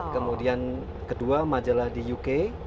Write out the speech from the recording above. kemudian kedua majalah di uk